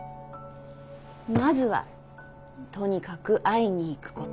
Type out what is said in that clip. まずはとにかく会いに行くこと。